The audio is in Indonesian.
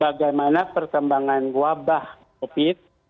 bagaimana perkembangan wabah covid